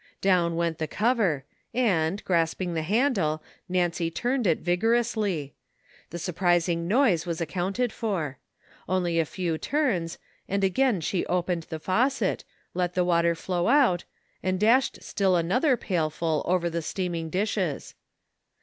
Down went the cover, and, grasping the handle, Nancy turned it vigorously. The surprising noise was ac counted for. Only a few turns, and again she opened the faucet, let the water flow out, and dashed still another pailful over the steaming dishes.